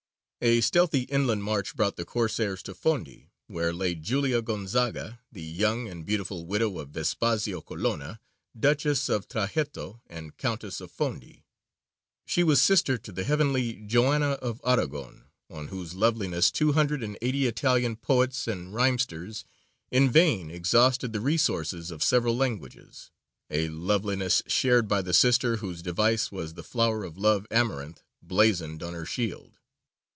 A stealthy inland march brought the Corsairs to Fondi, where lay Giulia Gonzaga, the young and beautiful widow of Vespasio Colonna, Duchess of Trajetto and Countess of Fondi. She was sister to the "heavenly Joanna of Aragon," on whose loveliness two hundred and eighty Italian poets and rimesters in vain exhausted the resources of several languages; a loveliness shared by the sister whose device was the "Flower of Love" amaranth blazoned on her shield.